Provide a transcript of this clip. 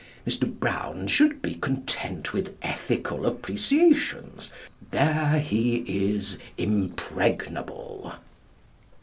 Mr. Brown should be content with ethical appreciations. There he is impregnable.